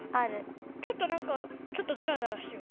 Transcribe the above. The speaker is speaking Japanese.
ちょっとなんかちょっとザラザラしてる。